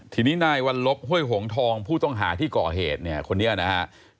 ทีนี้นายวัลลบห้วยหงทองผู้ต้องหาที่ก่อเหตุเนี่ยคนนี้นะครับ